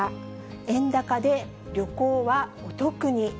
円高で旅行はお得に。